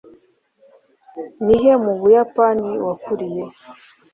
ni he mu buyapani wakuriye